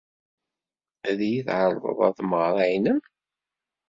Ad iyi-d-tɛerḍed ɣer tmeɣra-nnem?